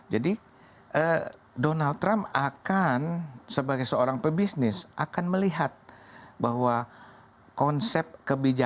jadi donald trump akan sebagai seorang pebisnis akan melihat bahwa konsep kebijakan